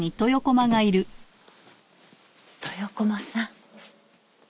豊駒さん。